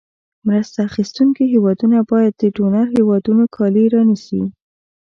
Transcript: مرسته اخیستونکې هېوادونو باید د ډونر هېوادونو کالي رانیسي.